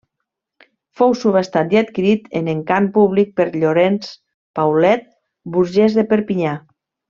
Fou subhastat i adquirit en encant públic per Llorenç Paulet, burgès de Perpinyà.